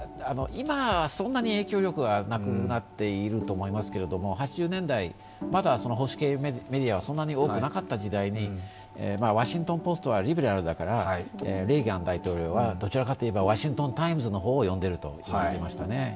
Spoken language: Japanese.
今はそんなに影響力はなくなっていると思いますけど８０年代、まだ保守系メディアはそんなに多くなかった時代に「ワシントン・ポスト」はリベラルだからレーガン大統領はどちらかといえば「ワシントン・タイムズ」のほうを読んでいると言われていましたね。